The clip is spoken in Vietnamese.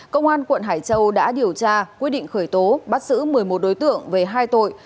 công an quận hải châu đã điều tra quyết định khởi tố bắt giữ một mươi một đối tượng về hai tội